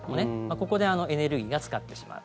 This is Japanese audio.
ここでエネルギーが使ってしまう。